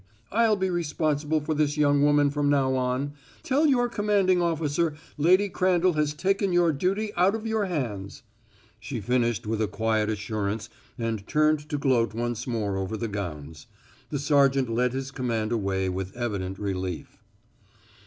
I'll be responsible for this young woman from now on. Tell your commanding officer Lady Crandall has taken your duty out of your hands." She finished with a quiet assurance and turned to gloat once more over the gowns. The sergeant led his command away with evident relief.